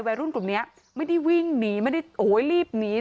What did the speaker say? วัยรุ่นกลุ่มเนี้ยไม่ได้วิ่งหนีไม่ได้โอ้โหรีบหนี